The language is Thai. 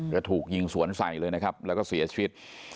หรือถูกเงียงสวนใสนี่เลยนะครับแล้วก็เสียชิด